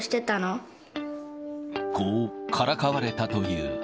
こうからかわれたという。